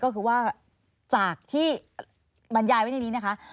ก็คือว่าจากที่บรรยายไว้ในนี้นะคะ